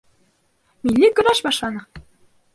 — Милли көрәш башлана!..